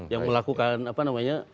yang melakukan apa namanya